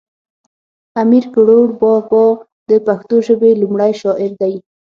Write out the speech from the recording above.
امیر کړوړ بابا د پښتو ژبی لومړی شاعر دی